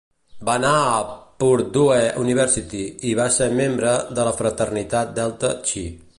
Va anar a la Purdue University i va ser membre de la fraternitat Delta Chi.